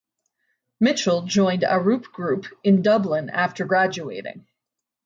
Mitchell joined Arup Group in Dublin after graduating.